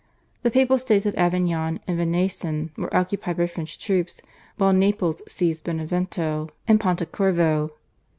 The Papal States of Avignon and Venaissin were occupied by French troops, while Naples seized Benevento and Pontecorvo.